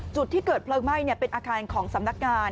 จุดที่เกิดเพลิงไหม้เป็นอาคารของสำนักงาน